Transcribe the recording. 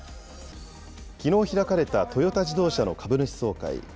きのう開かれたトヨタ自動車の株主総会。